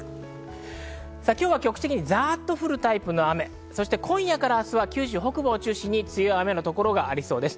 今日は局地的にざっと降るタイプの雨、今夜から明日は九州から四国に強い雨がありそうです。